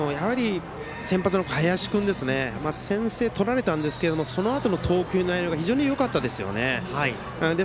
先発の林君ですね先制とられたんですがそのあとの投球の内容が非常によかったですよね。